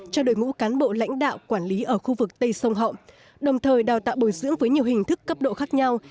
cho đội ngũ cán bộ lãnh đạo quản lý ở khu vực tây sông hậu đồng thời đào tạo bồi dưỡng với nhiều hình thức cấp độ khác nhau